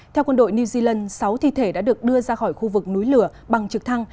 theo quân đội new zealand sáu thi thể đã được đưa ra khỏi khu vực núi lửa bằng trực thăng